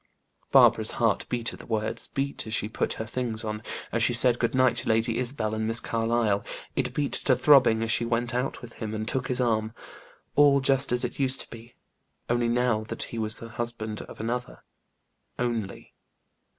Barbara's heart beat at the words; beat as she put her things on as she said good night to Lady Isabel and Miss Carlyle; it beat to throbbing as she went out with him, and took his arm. All just as it used to be only now that he was the husband of another. Only!